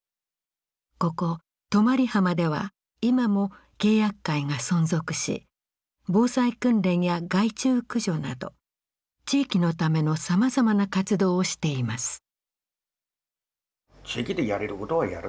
ここ泊浜では今も契約会が存続し防災訓練や害虫駆除など地域のためのさまざまな活動をしています。